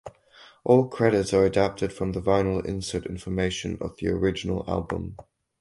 All credits are adapted from the vinyl insert information of the original album.